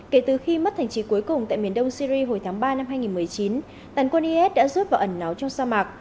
kể từ khi mất thành trí cuối cùng tại miền đông syri hồi tháng ba năm hai nghìn một mươi chín tàn quân is đã rút vào ẩn náu trong sa mạc